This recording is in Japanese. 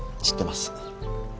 知ってます。